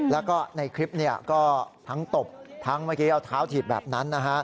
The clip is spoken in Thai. แล้วก็ในคลิปก็ทั้งตบทั้งเมื่อกี้เอาเท้าถีบแบบนั้นนะฮะ